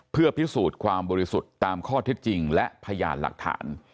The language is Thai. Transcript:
เพื่อพิสูจน์ความบริสุทธิ์ตามข้อเท็จจริงและพยานหลักฐาน